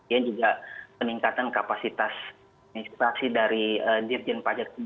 ya juga peningkatan